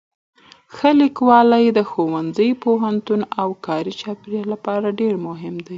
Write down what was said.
ښه لیکوالی د ښوونځي، پوهنتون او کاري چاپېریال لپاره ډېر مهم دی.